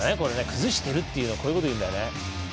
崩してるっていうのはこういうことを言うんだね。